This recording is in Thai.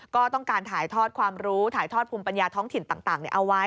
ก็ต้องการถ่ายทอดความรู้ถ่ายทอดภูมิปัญญาท้องถิ่นต่างเอาไว้